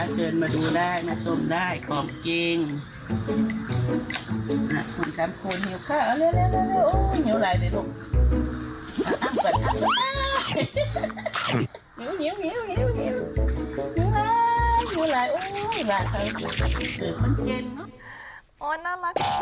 เชิญมาดูได้มาชมได้ของจริง